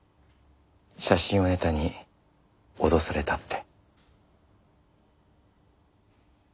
写真をネタに脅されたって。